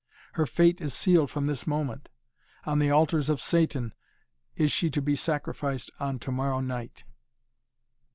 Her fate is sealed from this moment. On the altars of Satan is she to be sacrificed on to morrow night!"